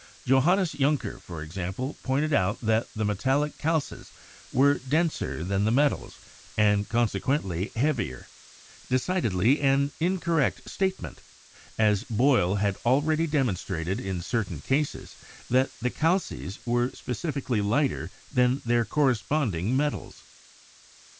Johannes Juncker, for example, pointed out that the metallic 'calces' were denser than the metals, and con sequently heavier — decidedly an incorrect statement, as Boyle had already demonstrated in certain cases that the 'calces' were specifically lighter than their corresponding metals.